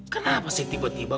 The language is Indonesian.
kenapa sih tiba tiba